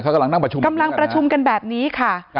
กำลังประชุมกันแบบนี้ค่ะ